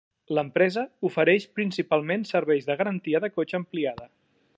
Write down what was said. L'empresa ofereix principalment serveis de garantia de cotxe ampliada.